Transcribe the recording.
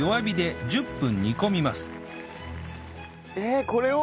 えーっこれを？